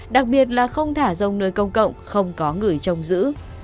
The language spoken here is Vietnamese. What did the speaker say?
đặc biệt là không thả rông nơi công cộng không có người trông giữ